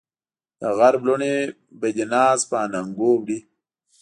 دغرب لوڼې به دې ناز په اننګو وړي